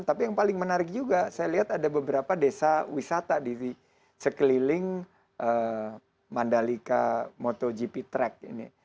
tapi yang paling menarik juga saya lihat ada beberapa desa wisata di sekeliling mandalika motogp track ini